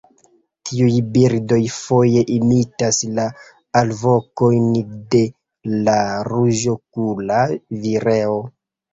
Tiuj birdoj foje imitas la alvokojn de la Ruĝokula vireo.